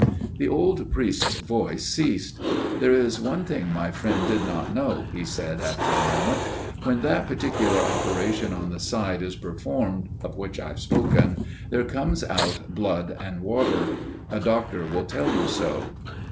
The old priest's voice ceased. "There is one thing my friend did not know," he said after a moment. "When that particular operation on the side is performed, of which I have spoken, there comes out blood and water. A doctor will tell you so."